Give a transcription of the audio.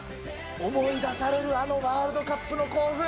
思い出されるあのワールドカップの興奮。